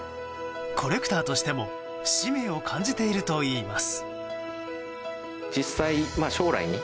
コレクターとしても使命を感じているといいます。